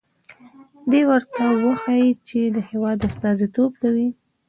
دې ورته وښيي چې د هېواد استازیتوب کوي.